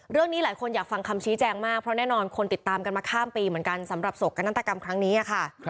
เรื่องนี้หลายคนอยากฟังคำชี้แจงมากเพราะแน่นอนคนติดตามกันมาข้ามปีเหมือนกันสำหรับโศกนาฏกรรมครั้งนี้ค่ะ